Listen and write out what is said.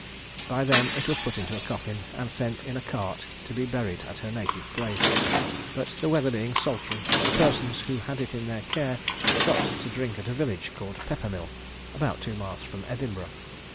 By them it was put into a coffin, and sent in a cart to be buried at her native place; but the weather being sultry, the persons who had it in their care stopped to drink at a village called Peppermill, about two miles from Edinburgh.